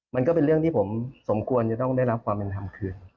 มันก็เป็นเรื่องที่ผมสมควรจะต้องได้รับความเป็นธรรมคืน